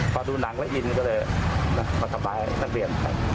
พอดูหนังแล้วยินก็เลยมากลับไปนั่งเรียน